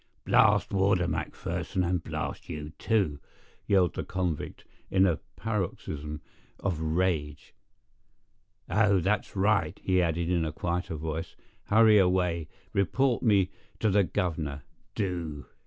"Blast Warder McPherson, and blast you, too!" yelled the convict, in a paroxysm of rage. "Oh, that's right," he added in a quieter voice; "hurry away; report me to the governor, do!